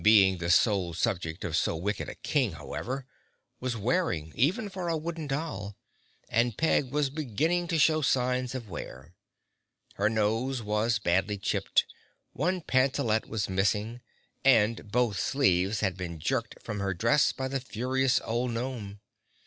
Being the sole subject of so wicked a King, however, was wearing even for a wooden doll, and Peg was beginning to show signs of wear. Her nose was badly chipped, one pantalette was missing, and both sleeves had been jerked from her dress by the furious old gnome.